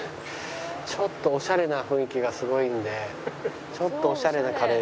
ちょっとオシャレな雰囲気がすごいんでちょっとオシャレなカレー。